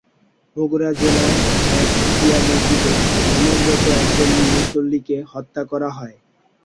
বগুড়া জেলায় এক শিয়া মসজিদে নামাজরত একজন মুসল্লিকে হত্যা করা হয়।